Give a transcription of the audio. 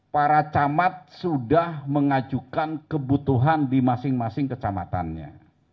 para camat sudah mengajukan kebutuhan di masing masing kecamatannya